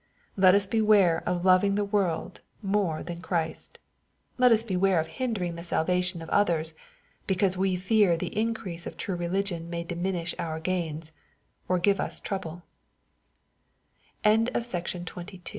Let us beware of loving the world more than Christ. Let us beware of hindering MATTHEW, CHAP. IX. 83 the salvation of others, because we fear the iocrease of true religion may diminish our gains, or give us trouble MATTHE